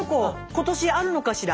今年あるのかしら？